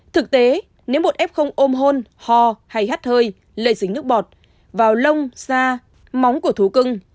thực tế nếu một f ôm hôn hò hay hắt hơi lây dính nước bọt vào lông da móng của thú cưng